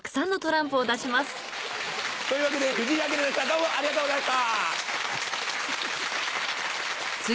というわけでふじいあきらでしたどうもありがとうございました！